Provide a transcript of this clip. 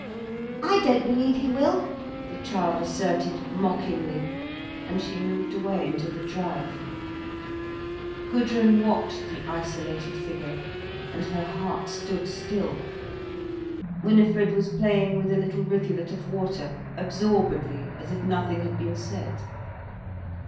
"I don't believe he will," the child asserted, mockingly, and she moved away into the drive. Gudrun watched the isolated figure, and her heart stood still. Winifred was playing with a little rivulet of water, absorbedly as if nothing had been said.